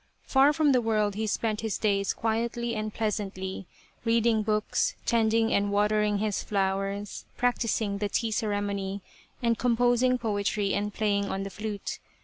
Far from the world he spent his days quietly and pleasantly, reading books, tending and watering his flowers, practising the tea ceremony, and composing poetry and playing on the flute.